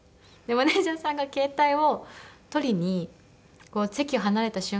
マネジャーさんが携帯を取りに席を離れた瞬間